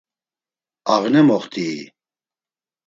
Ağne moxtii?